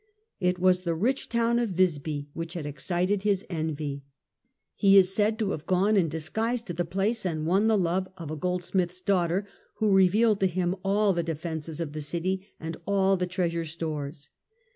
It was the rich town of Wisby which had excited his envy ; he is said to have gone in disguise to the place and won the love of a goldsmith's daughter, who revealed to him all the defences of the city and all the treas g,^j,)jj,j„ of ure stores.